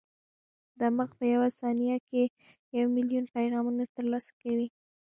دماغ په یوه ثانیه کې یو ملیون پیغامونه ترلاسه کوي.